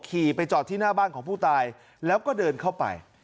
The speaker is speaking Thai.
ขี่ไปจอดที่หน้าบ้านของผู้ตายแล้วก็เดินเข้าไป